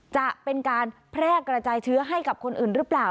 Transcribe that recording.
จะเป็นการแพร่กระจายเชื้อให้กับคนอื่นหรือเปล่า